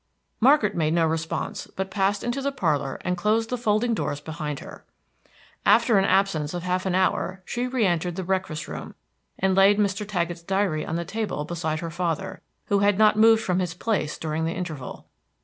Margaret made no response, but passed into the parlor and closed the folding doors behind her. After an absence of half an hour she reentered the breakfast room, and laid Mr. Taggett's diary on the table beside her father, who had not moved from his place during the interval.